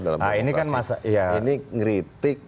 dalam komunikasi ini kritik